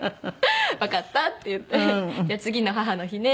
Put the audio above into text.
「わかった」って言って「次の母の日ね」みたいな。